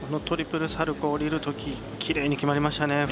トリプルサルコウ降りるとききれいに決まりましたね。